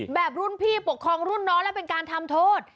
แบบรุ่นพี่ปกครองรุ่นน้องและเป็นการทำโทษ